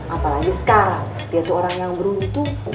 apalagi sekarang dia itu orang yang beruntung